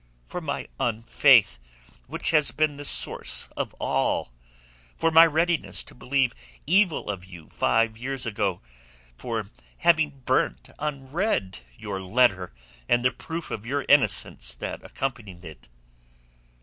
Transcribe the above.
"For my unfaith, which has been the source of all. For my readiness to believe evil of you five years ago, for having burnt unread your letter and the proof of your innocence that accompanied it."